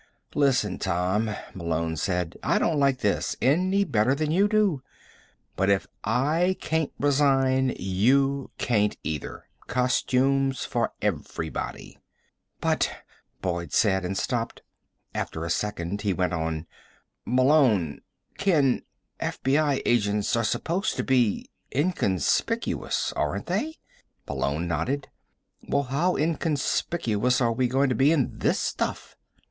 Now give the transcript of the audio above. "Listen, Tom," Malone said, "I don't like this any better than you do. But if I can't resign, you can't either. Costumes for everybody." "But," Boyd said, and stopped. After a second he went on: "Malone ... Ken ... FBI agents are supposed to be inconspicuous, aren't they?" Malone nodded. "Well, how inconspicuous are we going to be in this stuff?"